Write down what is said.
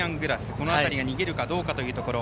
この辺りが逃げるかというところ。